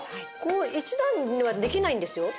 １段にはできないんですよ？